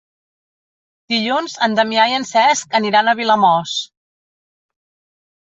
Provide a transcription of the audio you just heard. Dilluns en Damià i en Cesc aniran a Vilamòs.